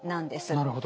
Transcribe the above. なるほど。